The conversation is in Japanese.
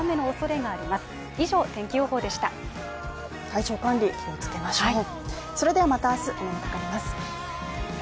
体調管理気を付けましょう。